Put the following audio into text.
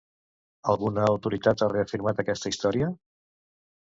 Alguna autoritat ha reafirmat aquesta història?